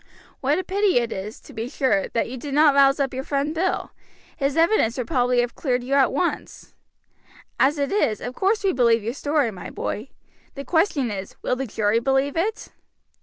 What a pity it is, to be sure, that you did not rouse up your friend Bill. His evidence would probably have cleared you at once. As it is, of course we believe your story, my boy. The question is, will the jury believe it?"